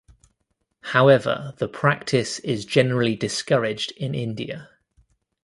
However the practice is generally discouraged in India.